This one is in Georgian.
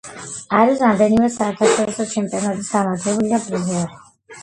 არის რამდენიმე საერთაშორისო ჩემპიონატის გამარჯვებული და პრიზიორი.